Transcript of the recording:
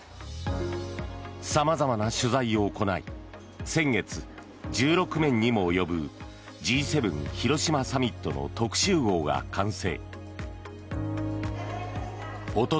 様々な取材を行い先月、１６面にも及ぶＧ７広島サミットの特集号が完成。